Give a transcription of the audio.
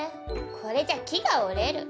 これじゃあ木が折れる。